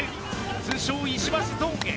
通称石橋ゾーンへ。